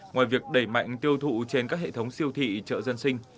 ngoài việc đẩy mạnh tiêu thụ trên các hệ thống siêu thị chợ dân sinh